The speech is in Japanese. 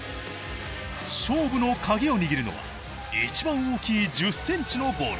勝負の鍵を握るのは一番大きい１０ｃｍのボール。